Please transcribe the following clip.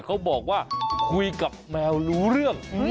เขาบอกว่าคุยกับแมวรู้เรื่อง